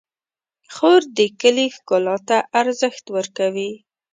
خور د کلي ښکلا ته ارزښت ورکوي.